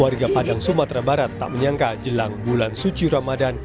warga padang sumatera barat tak menyangka jelang bulan suci ramadan